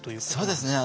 そうですね。